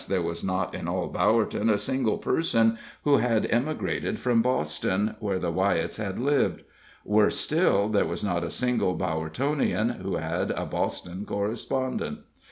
there was not in all Bowerton a single person who had emigrated from Boston, where the Wyetts had lived. Worse still, there was not a single Bowertonian who had a Boston correspondent.